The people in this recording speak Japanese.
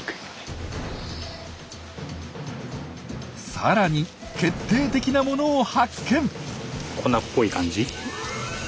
さらに決定的なものを発見。